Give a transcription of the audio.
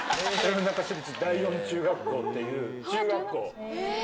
豊中市立第四中学校っていう中学校ええ